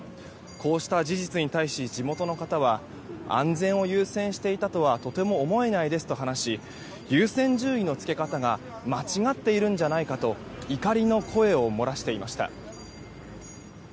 こうした事実に対し地元の方は安全を優先していたとはとても思えないですと話し優先順位のつけ方が間違っているんじゃないかと怒りの声を漏らしていました。